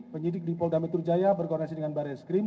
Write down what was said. penyidik di polda mitrujaya berkongresi dengan baris krim